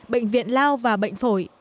bệnh viện lao và bệnh phổi